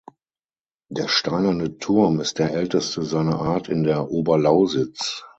Der steinerne Turm ist der älteste seiner Art in der Oberlausitz.